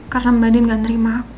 karena mbak endin gak terima aku